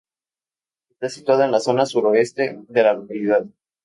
Está situado en la zona suroeste de la localidad.